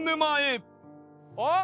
あっ！